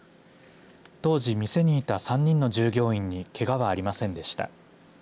当時店店にいた３人の従業員にけがはありませんでした。